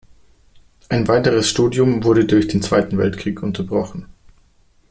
Ein weiteres Studium wurde durch den Zweiten Weltkrieg unterbrochen.